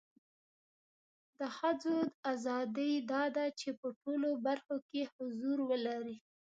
د خځو اذادی دا ده چې په ټولو برخو کې حضور ولري